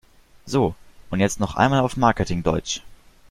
So, und jetzt noch mal auf Marketing-Deutsch!